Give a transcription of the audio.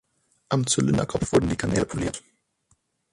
Am Zylinderkopf wurden die Kanäle poliert.